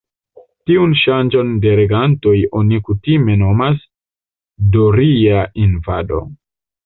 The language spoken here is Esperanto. Tiun ŝanĝon de regantoj oni kutime nomas «doria invado».